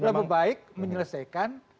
lebih baik menyelesaikan